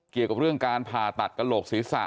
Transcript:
เกี่ยวกับเรื่องการผ่าตัดกระโหลกศีรษะ